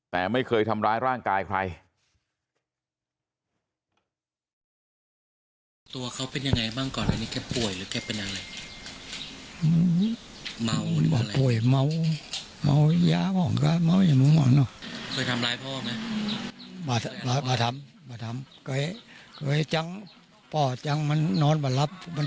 แต่ไม่เคยทำร้ายร่างกายใคร